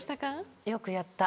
よくやった。